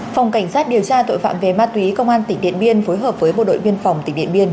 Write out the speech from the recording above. phòng cảnh sát điều tra tội phạm về ma túy công an tỉnh điện biên phối hợp với bộ đội biên phòng tỉnh điện biên